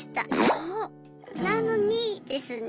そう！なのにですね。